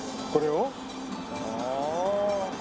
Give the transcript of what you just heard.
これを？